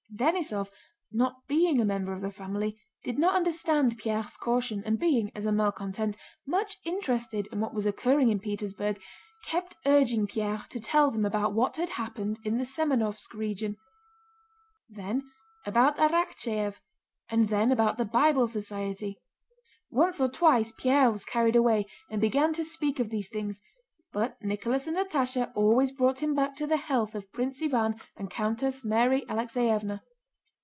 Denísov, not being a member of the family, did not understand Pierre's caution and being, as a malcontent, much interested in what was occurring in Petersburg, kept urging Pierre to tell them about what had happened in the Semënovsk regiment, then about Arakchéev, and then about the Bible Society. Once or twice Pierre was carried away and began to speak of these things, but Nicholas and Natásha always brought him back to the health of Prince Iván and Countess Mary Alexéevna.